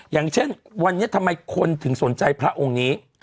อย่างเช่นวันนี้ทำไมคนถึงสนใจพระองค์นี้